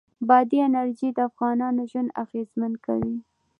بادي انرژي د افغانانو ژوند اغېزمن کوي.